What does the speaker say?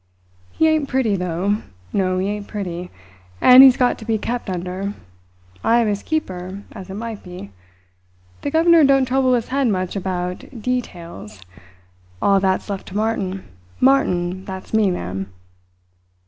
"He ain't pretty, though. No, he ain't pretty. And he has got to be kept under. I am his keeper, as it might be. The governor don't trouble his head much about dee tails. All that's left to Martin. Martin, that's me, ma'am."